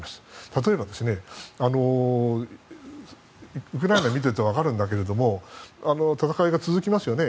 例えば、ウクライナを見てると分かるんだけれども戦いが続きますよね。